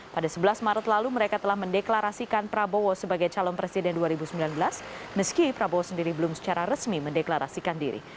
pada sebelas maret lalu mereka telah mendeklarasikan prabowo sebagai calon presiden dua ribu sembilan belas meski prabowo sendiri belum secara resmi mendeklarasikan diri